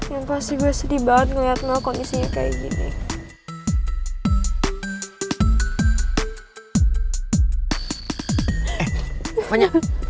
yang pasti gue sedih banget ngeliat melokon di sini kayak gini